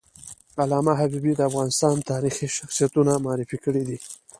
علامه حبیبي د افغانستان تاریخي شخصیتونه معرفي کړي دي.